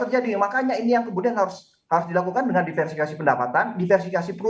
terjadi makanya ini yang kemudian harus harus dilakukan dengan diversifikasi pendapatan diversifikasi pro